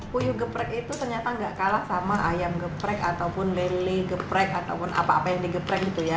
puyuh geprek itu ternyata gak kalah sama ayam geprek ataupun lele geprek ataupun apa apa yang digeprek gitu ya